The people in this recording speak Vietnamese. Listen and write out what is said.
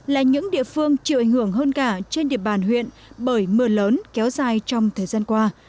là những địa phương chịu ảnh hưởng hơn cả trên địa bàn huyện bởi mưa lớn kéo dài trong thời gian qua